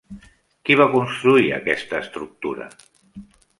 Qui va construir aquesta estructura?